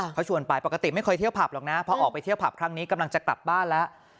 เขาชวนไปปกติไม่เคยเที่ยวผับหรอกนะพอออกไปเที่ยวผับครั้งนี้กำลังจะกลับบ้านแล้ว